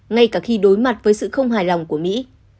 ngay cả khi đối mặt với sự không hài lòng của mỹ